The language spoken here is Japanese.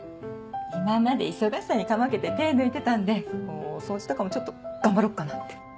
今まで忙しさにかまけて手抜いてたんで掃除とかもちょっと頑張ろっかなって。